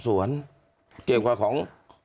เกี่ยวกับของ